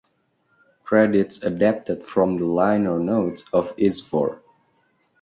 Credits adapted from the liner notes of "Izvor".